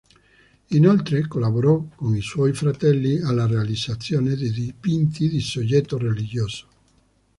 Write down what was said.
Inoltre, collaborò con i suoi fratelli alla realizzazione di dipinti di soggetto religioso.